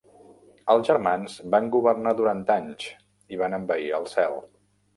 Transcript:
Els germans van governar durant anys i van envair el cel.